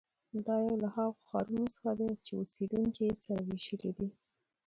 دا یو له هغو ښارونو څخه دی چې اوسېدونکي یې سره وېشلي دي.